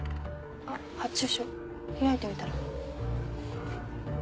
あっ発注書開いてみたら？